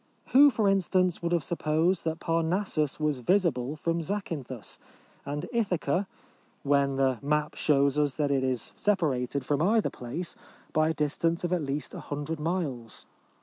Who, for in stance, would have supposed that Parnassus was visible from Zacyn thus and Ithaca, when the map shows us that it is separated from either place by a distance of at least 100 miles?